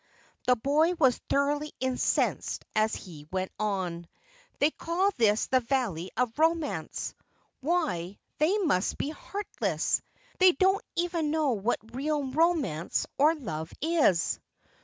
The boy was thoroughly incensed as he went on. "They call this the Valley of Romance! Why, they must be heartless. They don't even know what real romance or love is!"